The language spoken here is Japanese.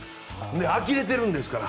あきれてるんですから。